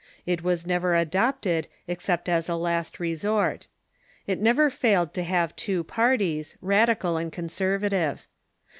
It was never adopted except as a last resort. It never failed to have two parties — 288 THE MODERN CHURCH radical and conservative.